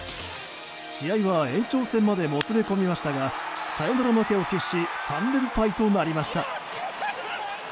試合は延長戦までもつれ込みましたがサヨナラ負けを喫し３連敗となりました。